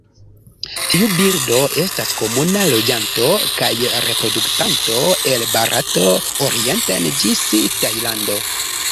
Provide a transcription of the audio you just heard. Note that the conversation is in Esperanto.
Tiu birdo estas komuna loĝanto kaj reproduktanto el Barato orienten ĝis Tajlando.